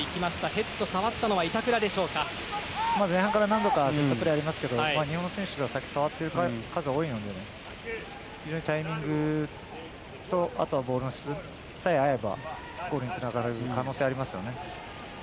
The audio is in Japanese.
ヘッド、触ったのは前半から何度かセットプレーありますけど日本の選手が先に触っている数は多いので非常にタイミングとあとはボールの質さえ合えばゴールにつながる可能性もありますよね。